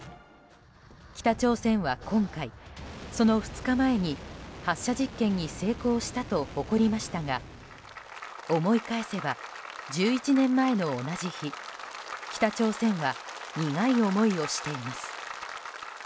北朝鮮は今回、その２日前に発射実験に成功したと誇りましたが思い返せば１１年前の同じ日北朝鮮は苦い思いをしています。